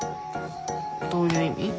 どういう意味？